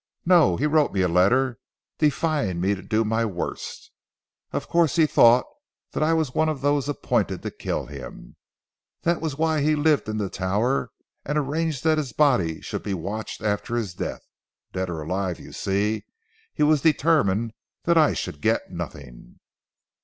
"No! he wrote me a letter defying me to do my worst. Of course he thought that I was one of those appointed to kill him. That was why he lived in the Tower, and arranged that his body should be watched after his death. Dead or alive you see he was determined that I should get nothing."